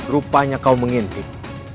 rupanya kau mengintip